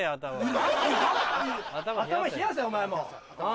頭冷やせお前もう。